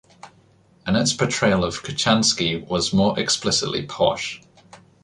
Annett's portrayal of Kochanski was more explicitly posh.